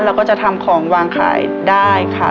เราก็จะทำของวางขายได้ค่ะ